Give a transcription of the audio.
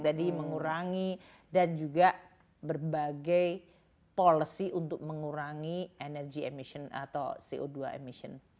jadi mengurangi dan juga berbagai polisi untuk mengurangi energy emission atau co dua emission